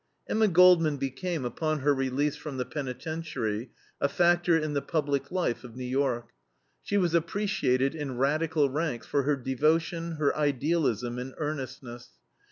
Emma Goldman became, upon her release from the penitentiary, a factor in the public life of New York. She was appreciated in radical ranks for her devotion, her idealism, and earnestness.